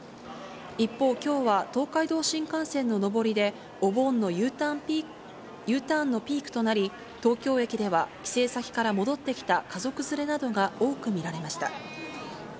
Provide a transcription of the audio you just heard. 一方、きょうは東海道新幹線の上りで、お盆のＵターンのピークとなり、東京駅では帰省先から戻ってきた家族連れなどが多く見られました。